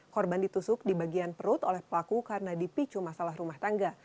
korban ditusuk di bagian perut oleh pelaku karena dipicu masalah rumah tangga